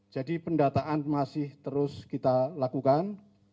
jadi pendataan masih terus kita lakukan